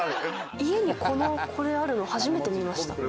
家にこれあるの初めて見ました。